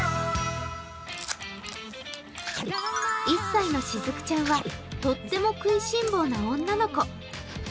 １歳のシズクちゃんはとっても食いしん坊な女の子。